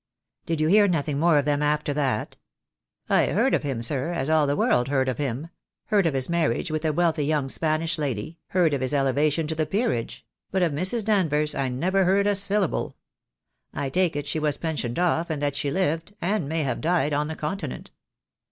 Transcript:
"Did you hear nothing more of them after that?" "I heard of him, sir, as all the world heard of him — heard of his marriage with a wealthy young Spanish lady, heard of his elevation to the peerage — but of Mrs. Danvers I never heard a syllable. I take it she was pensioned off, and that she lived — and may have died — on the Continent.